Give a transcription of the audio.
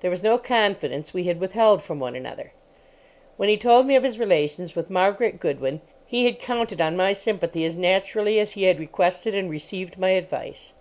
There was no confidence we had withheld from one another. When he told me of his relations with Margaret Goodwin he had counted on my sympathy as naturally as he had requested and received my advice.